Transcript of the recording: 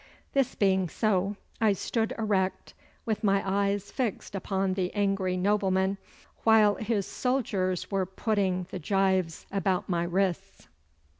This being so, I stood erect, with my eyes fixed upon the angry nobleman, while his soldiers were putting the gyves about my wrists.